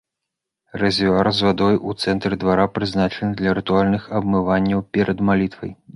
Рэзервуар з вадой у цэнтры двара прызначаны для рытуальных абмыванняў перад малітвай.